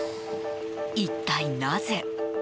一体なぜ？